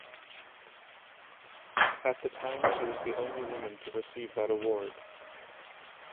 At the time she was the only woman to receive that award.